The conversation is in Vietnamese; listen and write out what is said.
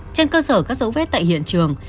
trên cơ sở các dấu vết tại hiện trường